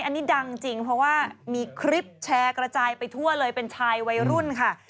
อันนี้ดังจริงเพราะว่ามีคลิปแชร์กระจายไปทั่วเลยเป็นชายวัยรุ่นค่ะ